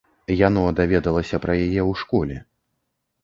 Яно даведалася пра яе ў школе.